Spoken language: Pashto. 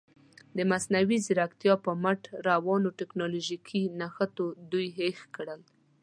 د مصنوعي زیرکتیا په مټ روانو تکنالوژیکي نښتو دوی هېښ کړل.